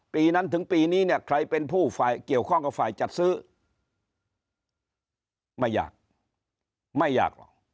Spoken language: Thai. ปีนั้นถึงปีนี้เนี่ยใครเป็นผู้ฝ่ายเกี่ยวข้องกับฝ่ายจัดซื้อไม่อยากไม่อยากหรอก